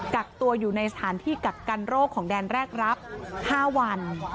กักตัวอยู่ในสถานที่กักกันโรคของแดนแรกรับ๕วัน